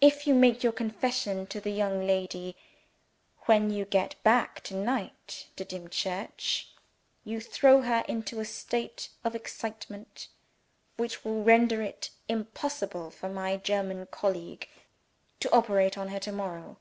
If you make your confession to the young lady when you get back to night to Dimchurch, you throw her into a state of excitement which will render it impossible for my German colleague to operate on her to morrow.